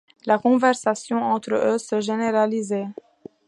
La conversation, entre eux, se généralisait.